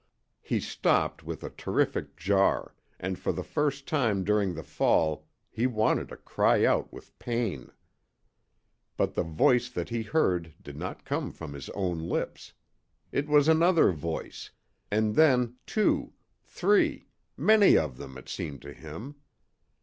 He stopped with a terrific jar, and for the first time during the fall he wanted to cry out with pain. But the voice that he heard did not come from his own lips. It was another voice and then two, three, many of them, it seemed to him.